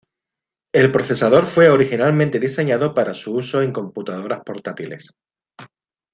El procesador fue originalmente diseñado para su uso en computadoras portátiles.